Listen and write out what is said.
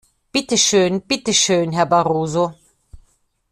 Bitteschön, bitteschön, Herr Barroso.